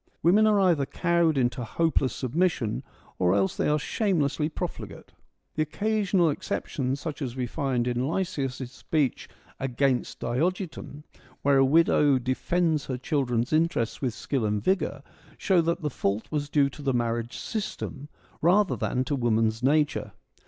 Women are either cowed into hopeless submission or else they are shamelessly profligate. The occasional exceptions, such as we find in Lysias' THE ATTIC ORATORS 199 speech ' Against Diogiton,' where a widow defends her children's interests with skill and vigour, show that the fault was due to the marriage system rather than to woman's nature.